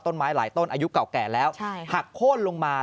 หลายต้นอายุเก่าแก่แล้วหักโค้นลงมา